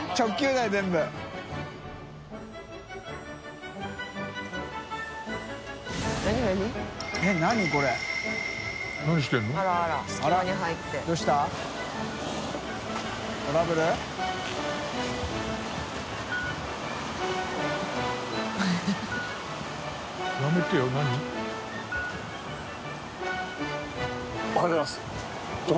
柴草Ｄ）おはようございます。